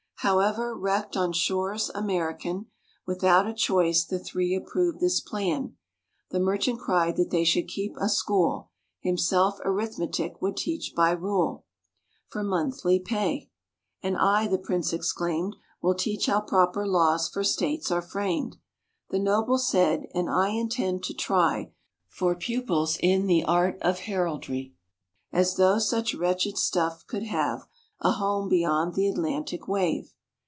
However, wrecked on shores American, Without a choice, the three approved this plan. The Merchant cried that they should keep a school; Himself arithmetic would teach by rule, For monthly pay. "And I," the Prince exclaimed, "Will teach how proper laws for states are framed." The Noble said, "And I intend to try For pupils in the art of Heraldry." As though such wretched stuff could have A home beyond the Atlantic wave!